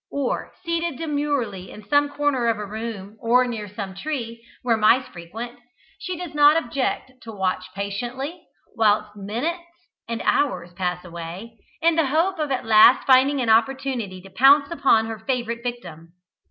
Or, seated demurely in some corner of a room or near some tree, where mice frequent, she does not object to watch patiently, whilst minutes and hours pass away, in the hope of at last finding an opportunity to pounce upon her favourite victim.